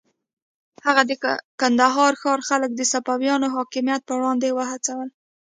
هغه د کندهار ښار خلک د صفویانو حاکمیت پر وړاندې وهڅول.